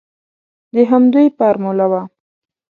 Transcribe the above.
د همدوی فارموله وه.